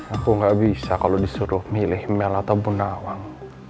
aku gak bisa kalo disuruh milih mel atau bunawang